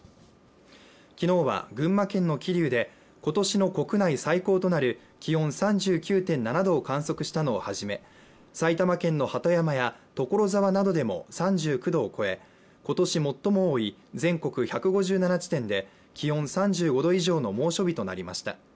昨日は群馬県の桐生で今年の国内最高となる気温３９．７度を観測したのをはじめ埼玉県の鳩山や所沢などでも３９度を超え、今年最も多い全国１５７地点で気温３５度以上の猛暑日となりました。